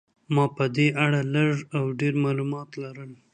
ما په دې اړه لږ او ډېر معلومات لرل.